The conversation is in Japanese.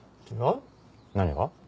何が？